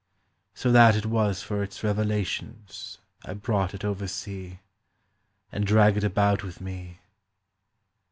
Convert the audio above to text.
"So that it was for its revelations I brought it oversea, And drag it about with me